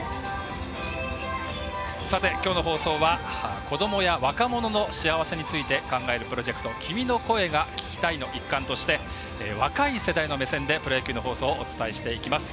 きょうの放送は子どもや若者の幸せについて考えるプロジェクト「君の声が聴きたい」の一環として、若い世代の目線でプロ野球の放送をお伝えしていきます。